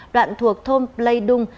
đoạn thuộc thôn plei đung